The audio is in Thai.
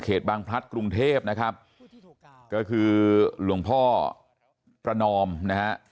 บางพลัดกรุงเทพนะครับก็คือหลวงพ่อประนอมนะฮะ